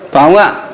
phải không ạ